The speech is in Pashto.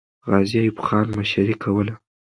غازي ایوب خان مشري کوله.